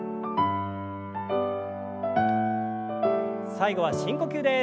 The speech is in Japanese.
最後は深呼吸です。